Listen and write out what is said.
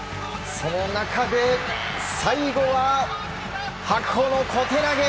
その中で最後は、白鵬の小手投げ！